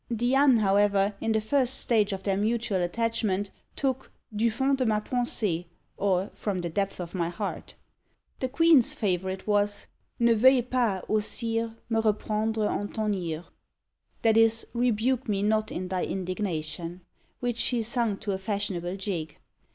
Diane, however, in the first stage of their mutual attachment, took Du fond de ma pensée, or, "From the depth of my heart." The queen's favourite was Ne veuilles pas, o sire, Me reprendre en ton ire; that is, "Rebuke me not in thy indignation," which she sung to a fashionable jig.